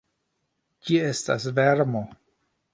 Ĝi estas vermo.